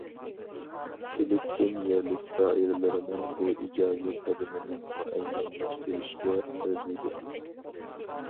فىلىپپىن يەرلىك دائىرىلىرىنىڭ بۇ ئىجابىي قەدىمىنى مۇئەييەنلەشتۈرۈشكە ئەرزىيدۇ.